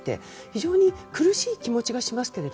非常に苦しい気持ちがしますが。